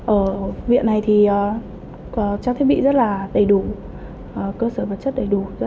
ở viện này thì trang thiết bị rất là đầy đủ cơ sở vật chất đầy đủ